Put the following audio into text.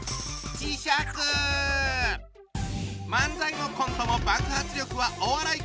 漫才もコントも爆発力はお笑い界随一。